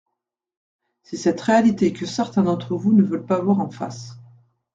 C’est cette réalité que certains d’entre vous ne veulent pas voir en face.